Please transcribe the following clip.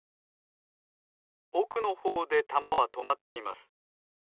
おくのほうでたまはとまっています。